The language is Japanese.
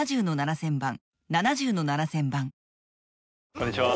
こんにちは。